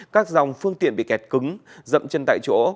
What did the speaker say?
các dòng phương tiện bị kẹt cứng rậm chân tại chỗ